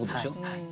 はい。